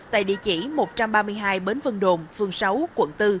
tại địa chỉ một trăm ba mươi hai bến vân đồn phường sáu quận bốn